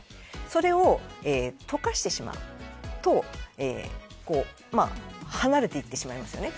それを、溶かしてしまうと離れていってしまいますよね。